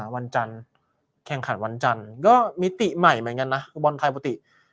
วันจันทร์แข่งขันวันจันทร์ก็มิติใหม่เหมือนกันนะฟุตบอลไทยปกติ